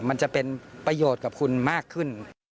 มันจะเป็นประโยชน์กับคุณมากขึ้น